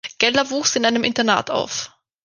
Geller wuchs in einem Internat auf.